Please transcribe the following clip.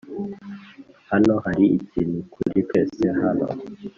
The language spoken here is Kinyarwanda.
hano hari ikintu kuri twese hano,